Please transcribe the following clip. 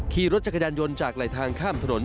ขี่รถจักรยานยนต์จากไหลทางข้ามถนน